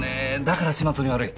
だから始末に悪い。